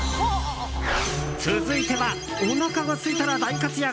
続いてはおなかがすいたら大活躍？